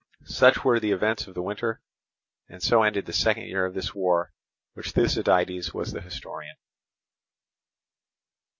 Such were the events of the winter, and so ended the second year of this war of which Thucydides was the historian.